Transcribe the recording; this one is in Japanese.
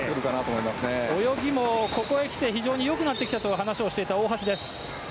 泳ぎも、ここへ来て非常に良くなってきたと話した大橋です。